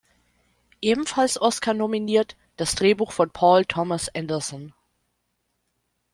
Ebenfalls Oscar-nominiert: das Drehbuch von Paul Thomas Anderson.